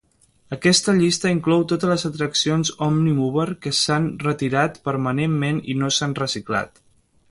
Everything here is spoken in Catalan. Aquesta llista inclou totes les atraccions Omnimover que s'han retirat permanentment i no s'han reciclat.